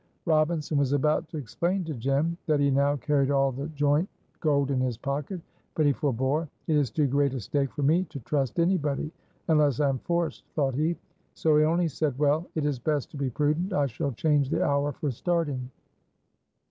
Robinson was about to explain to Jem. that he now carried all the joint gold in his pocket, but he forbore. "It is too great a stake for me to trust anybody unless I am forced," thought he. So he only said: "Well, it is best to be prudent. I shall change the hour for starting."